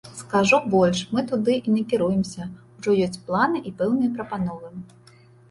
Скажу больш, мы туды і накіруемся, ужо ёсць планы і пэўныя прапановы.